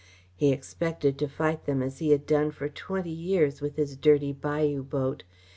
He expected to fight them as he had done for twenty years with his dirty bayou boat.